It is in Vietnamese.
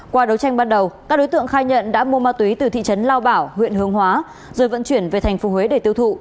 qua đấu tranh ban đầu các đối tượng khai nhận đã mua ma túy từ thị trấn lao bảo huyện hương hóa rồi vận chuyển về thành phố huế để tiêu thụ